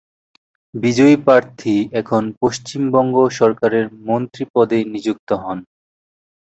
বিজয়ী প্রার্থী এখন পশ্চিমবঙ্গ সরকারের মন্ত্রী পদে নিযুক্ত হন।